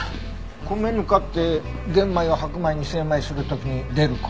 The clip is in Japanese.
米ぬかって玄米を白米に精米する時に出る粉。